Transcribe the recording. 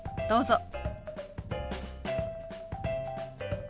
どうぞ。